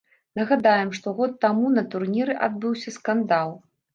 Нагадаем, што год таму на турніры адбыўся скандал.